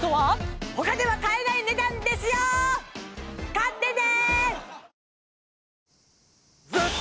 買ってね